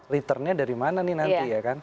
returnnya dari mana nih nanti ya kan